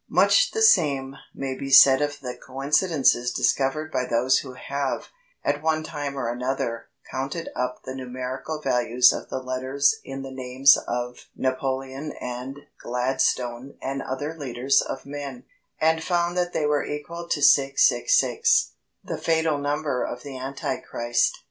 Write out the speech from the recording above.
Much the same may be said of the coincidences discovered by those who have, at one time or another, counted up the numerical values of the letters in the names of Napoleon and Gladstone and other leaders of men, and found that they were equal to 666, the fatal number of the Antichrist.